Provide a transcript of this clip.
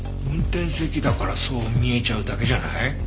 運転席だからそう見えちゃうだけじゃない？